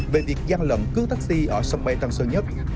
về việc gian lận cư taxi ở sông mây tăng sơn nhất